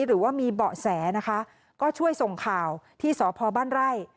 หรือว่ามีเบาะแสนะคะก็ช่วยส่งข่าวที่สพบ้านไร่